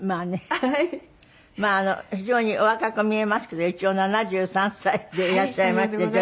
非常にお若く見えますけど一応７３歳でいらっしゃいまして女優さんで。